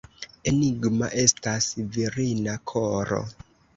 Enigma estas virina koro!